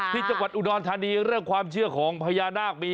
ที่จังหวัดอุดรธานีเรื่องความเชื่อของพญานาคมี